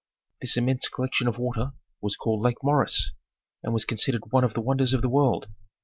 This immense collection of water was called Lake Moeris, and was considered one of the wonders of the world.